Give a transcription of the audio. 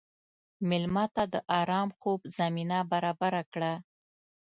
مېلمه ته د ارام خوب زمینه برابره کړه.